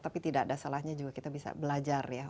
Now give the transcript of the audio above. tapi tidak ada salahnya juga kita bisa belajar ya